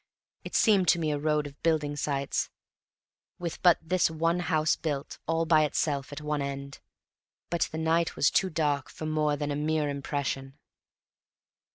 It seemed to me a road of building sites, with but this one house built, all by itself, at one end; but the night was too dark for more than a mere impression.